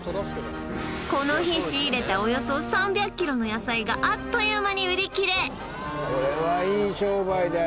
この日仕入れたおよそ３００キロの野菜があっという間に売り切れだよ